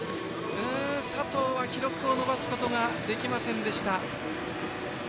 佐藤は記録を伸ばすことができませんでした。